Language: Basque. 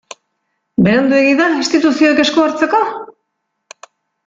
Beranduegi da instituzioek esku hartzeko?